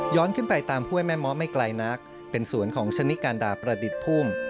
ขึ้นไปตามห้วยแม่เมาะไม่ไกลนักเป็นสวนของชนิการดาประดิษฐ์พุ่ม